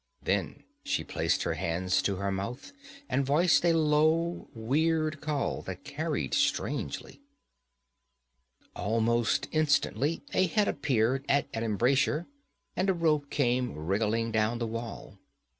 Then she placed her hands to her mouth and voiced a low weird call that carried strangely. Almost instantly a head appeared at an embrasure and a rope came wriggling down the wall.